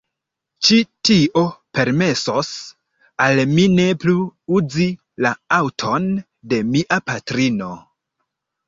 Ĉi tio permesos al mi ne plu uzi la aŭton de mia patrino.